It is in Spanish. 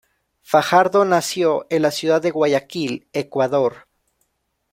Fajardo nació en la ciudad de Guayaquil, Ecuador.